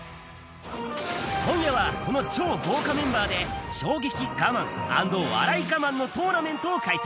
今夜はこの超豪華メンバーで、衝撃我慢＆笑い我慢のトーナメントを開催。